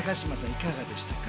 いかがでしたか？